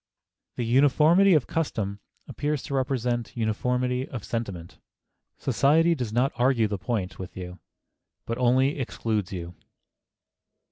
The uniformity of custom appears to represent uniformity of sentiment.... Society does not argue the point with you, but only excludes you."